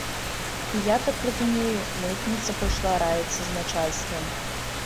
І, я так разумею, мытніца пайшла раіцца з начальствам.